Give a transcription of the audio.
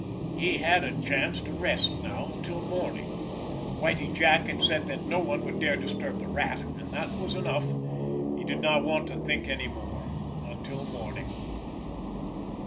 He had a chance to rest now until morning. Whitie Jack had said that no one would dare disturb the Rat, and that was enough—he did not want to think any more—until morning.